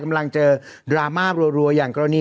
กำลังเจอดราม่ารัวอย่างกรณี